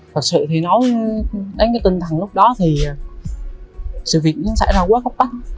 thật sự thì nói đến cái tinh thần lúc đó thì sự việc cũng xảy ra quá khóc bắt